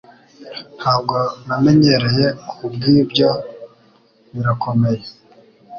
Ntabwo namenyereye, kubwibyo birakomeye.